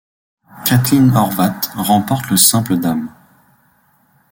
Kathleen Horvath remporte le simple dames.